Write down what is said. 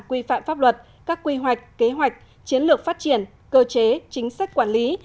quy phạm pháp luật các quy hoạch kế hoạch chiến lược phát triển cơ chế chính sách quản lý